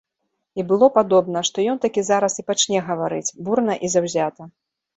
І было падобна, што ён такі зараз і пачне гаварыць, бурна і заўзята.